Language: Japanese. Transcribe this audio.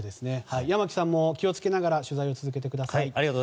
山木さんも気を付けながら取材を続けてください。